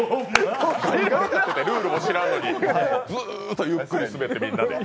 ルールも知らんのにずっとゆっくりスベってみんなで。